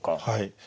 はい。